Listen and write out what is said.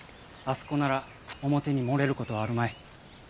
あそこなら表に漏れることはあるまい。